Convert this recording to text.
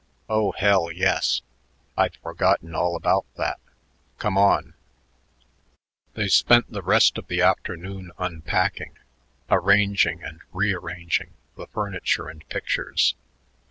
"Oh, hell, yes. I'd forgotten all about that. Come on." They spent the rest of the afternoon unpacking, arranging and rearranging the furniture and pictures.